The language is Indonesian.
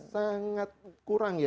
sangat kurang ya